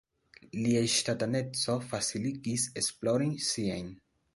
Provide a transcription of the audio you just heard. Lia ŝtataneco faciligis esplorojn siajn.